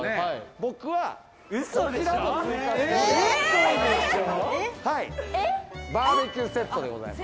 僕はこちらも追加しております。